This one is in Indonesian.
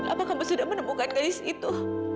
apa kamu sudah menemukan gadis itu